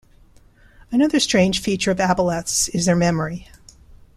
Another strange feature of aboleths is their memory.